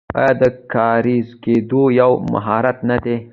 آیا د کاریز کیندل یو مهارت نه دی؟